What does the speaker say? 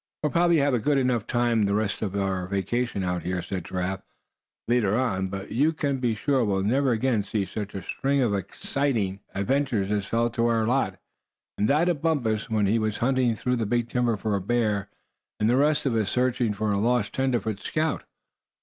"We'll probably have a good enough time the rest of our vacation out here," said Giraffe, later on, "but you can be sure we'll never again see such a string of exciting adventures as fell to our lot, and that of Bumpus, when he was hunting through the big timber for a bear; and the rest of us searching for a lost tenderfoot scout."